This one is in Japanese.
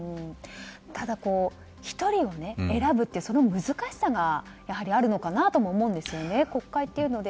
ただ１人を選ぶという難しさがやはりあるのかなとも思うんですよね。